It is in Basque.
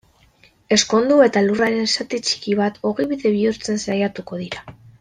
Ezkondu eta lurraren zati txiki bat ogibide bihurtzen saiatuko dira.